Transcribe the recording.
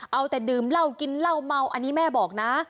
เอาแต่ดื่มเหล้ากินเหล้าเมาอันนี้แม่บอกนะ